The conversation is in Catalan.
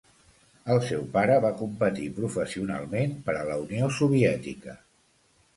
El seu pare va competir professionalment per a la Unió Soviètica.